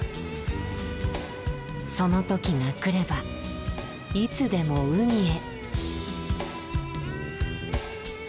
その時がくればいつでも海へ。